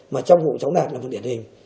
mà trong vụ cháu đạt là một điển hình